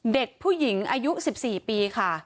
เด็กผู้หญิงอายุ๑๔ปีค่ะ